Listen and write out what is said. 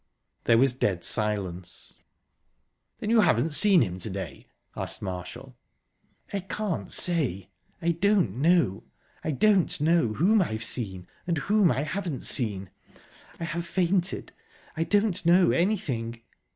There was dead silence. "Then you haven't seen him to day?" asked Marshall. "I can't say I don't know. I don't know whom I've seen, and whom I haven't seen. I have fainted. I don't know anything."